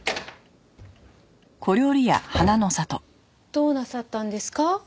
どうなさったんですか？